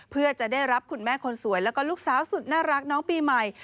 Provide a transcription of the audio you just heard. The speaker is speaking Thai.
เพื่อจะได้รับคุณแม่คนสวยแล้วก็ลูกสาวสุดน่ารักน้องปีใหม่